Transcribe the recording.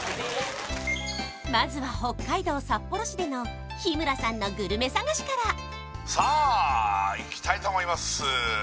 まずは北海道札幌市での日村さんのグルメ探しからさあいきたいと思います